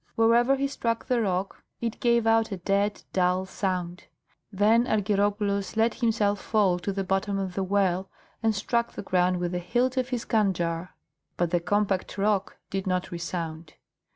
Wherever he struck the rock it gave out a dead, dull sound. Then Argyropoulos let himself fall to the bottom of the well and struck the ground with the hilt of his kandjar, but the compact rock did not resound.